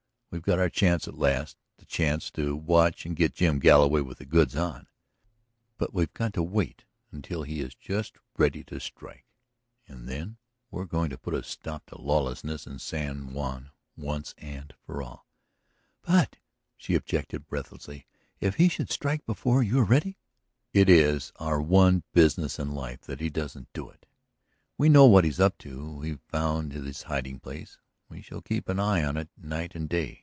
We've got our chance at last; the chance to watch and get Jim Galloway with the goods on. But we've got to wait until he is just ready to strike. And then we are going to put a stop to lawlessness in San Juan once and for all." "But," she objected breathlessly, "if he should strike before you are ready?" "It is our one business in life that he doesn't do it. We know what he is up to; we have found this hiding place; we shall keep an eye on it night and day.